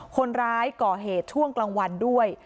คนร้ายก่อเหตุช่วงกลางวันด้วย